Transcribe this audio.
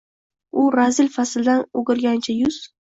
U razil fasldan o‘girgancha yuz